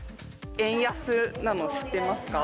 円安なのを知ってますか？